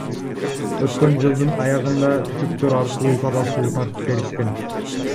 Өткөн жылдын аягында түтүктөр аркылуу таза суу тартып беришкен.